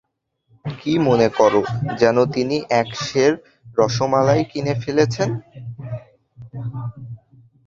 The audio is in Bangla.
কি মনে করে যেন তিনি এক সের রসমালাই কিনে ফেলেছেন।